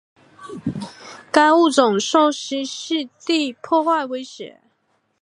该物种受栖息地破坏威胁。